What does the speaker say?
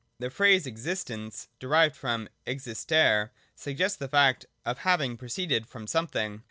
The phrase 'Existence' (derived from existere) suggests the fact of having proceeded from something.